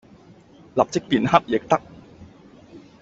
立即變黑晒亦得